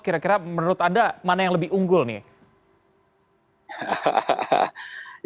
kira kira menurut anda mana yang lebih unggul nih